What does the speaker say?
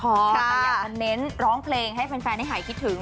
แต่อยากจะเน้นร้องเพลงให้แฟนได้หายคิดถึง